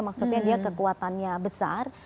maksudnya dia kekuatannya besar